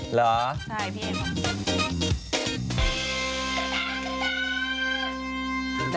เหรอพี่เอ๋อบอกว่าใช่